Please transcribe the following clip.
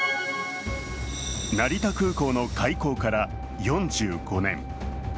成田空港の開港から４５年。